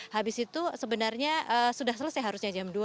habis itu sebenarnya sudah selesai harusnya jam dua